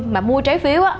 mà mua trái phiếu